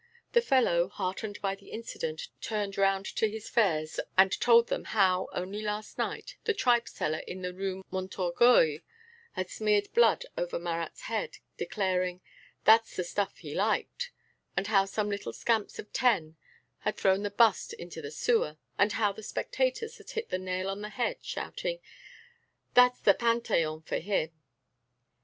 The fellow, heartened by the incident, turned round to his fares and told them how, only last night, the tripe seller in the Rue Montorgueil had smeared blood over Marat's head, declaring: "That's the stuff he liked," and how some little scamps of ten had thrown the bust into the sewer, and how the spectators had hit the nail on the head, shouting: "That's the Panthéon for him!"